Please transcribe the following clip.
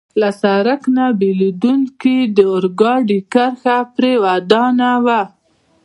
له سړک نه بېلېدونکې د اورګاډي کرښه پرې ودانوه.